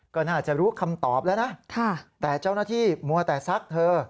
ก็น่าจะรู้คำตอบแล้วนะแต่เจ้าหน้าที่มัวแต่ซักเธอ